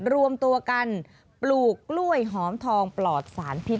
รวมตัวกันปลูกกล้วยหอมทองปลอดสารพิษ